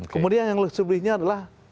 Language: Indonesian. kemudian yang lebih sebelumnya adalah